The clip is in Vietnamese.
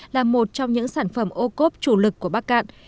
là một trong những sản phẩm ô cốp chủ lực của bắc cạn